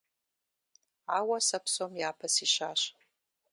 Ауэ сэ псом япэ сищащ.